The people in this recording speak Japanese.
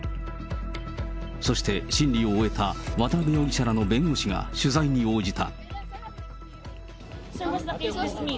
そして、審理を終えた渡辺容疑者らの弁護士が取材に応じた。